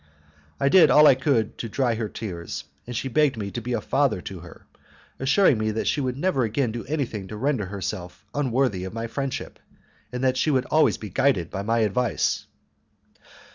I did all I could to dry her tears, and she begged me to be a father to her, assuring me that she would never again do anything to render her unworthy of my friendship, and that she would always be guided by my advice.